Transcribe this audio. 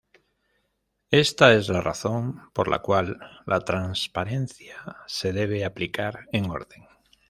Esta es la razón por la cual la transparencia se debe aplicar en orden.